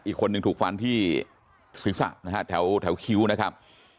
อีกคนนึงถูกฟันที่ศีรษะนะฮะแถวคิ้วนะครับ